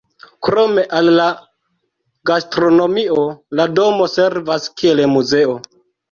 Krom al la gastronomio la domo servas kiel muzeo.